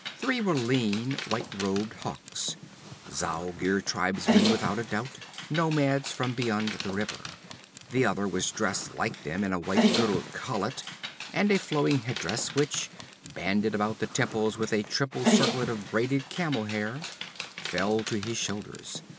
Three were lean, white robed hawks, Zuagir tribesmen without a doubt, nomads from beyond the river. The other was dressed like them in a white, girdled khalat and a flowing head dress which, banded about the temples with a triple circlet of braided camel hair, fell to his shoulders.